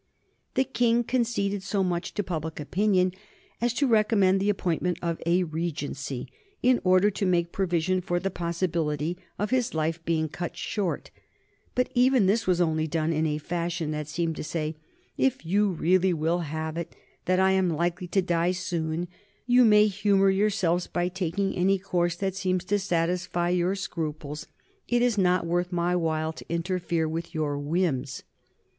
The King conceded so much to public opinion as to recommend the appointment of a regency, in order to make provision for the possibility of his life being cut short; but even this was only done in a fashion that seemed to say, "If you really will have it that I am likely to die soon you may humor yourselves by taking any course that seems to satisfy your scruples it is not worth my while to interfere with your whims."